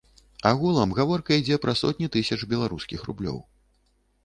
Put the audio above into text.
Агулам гаворка ідзе пра сотні тысяч беларускіх рублёў.